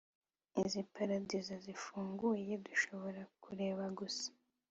Izi paradizo zifunguye dushobora kureba gusa